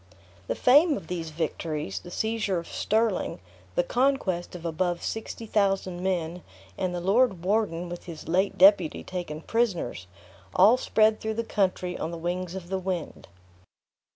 The fame of these victories, the seizure of Stirling, the conquest of above sixty thousand men, and the lord warden with his late deputy taken prisoners, all spread through the country on the wings of the wind.